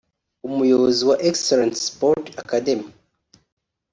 Umuyobozi wa Excellence Sports Academy